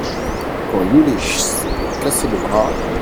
Quand Yulizh s'était cassée le bras.